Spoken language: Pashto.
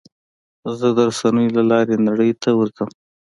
زه د رسنیو له لارې نړۍ ته ورځم.